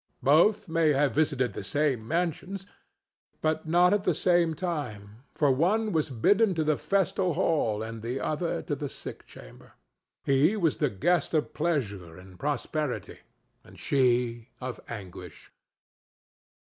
Both may have visited the same mansions, but not at the same time, for one was bidden to the festal hall and the other to the sick chamber; he was the guest of Pleasure and Prosperity, and she of Anguish.